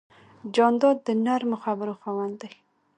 جانداد د نرمو خبرو خاوند دی.